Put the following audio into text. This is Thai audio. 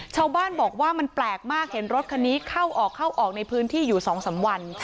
ชาวบ้านบอกว่ามันแปลกมากเห็นรถคันนี้เข้าออกเข้าออกในพื้นที่อยู่๒๓วัน